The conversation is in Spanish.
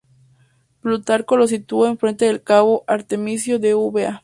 Plutarco lo sitúa enfrente del cabo Artemisio de Eubea.